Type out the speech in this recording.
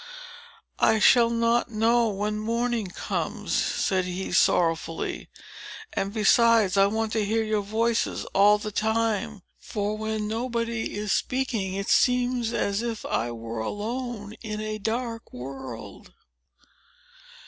"I shall not know when morning comes," said he sorrowfully. "And besides I want to hear your voices all the time; for, when nobody is speaking, it seems as if I were alone in a dark world!"